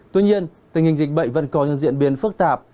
tuy nhiên tình hình dịch bệnh vẫn còn diễn biến phức tạp